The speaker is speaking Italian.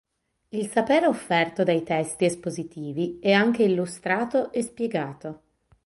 Il sapere offerto dai testi espositivi è anche illustrato e spiegato.